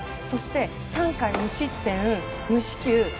そして、３回無失点無四球。